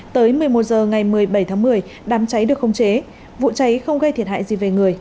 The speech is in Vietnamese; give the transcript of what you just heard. tới một mươi một h ngày một mươi bảy tháng một mươi đám cháy được không chế vụ cháy không gây thiệt hại gì về người